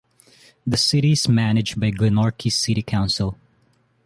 The city is managed by Glenorchy City Council.